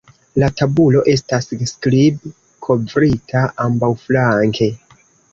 La tabulo estas skrib-kovrita ambaŭflanke.